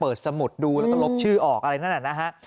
สมุดดูแล้วก็ลบชื่อออกอะไรนั่นน่ะนะฮะ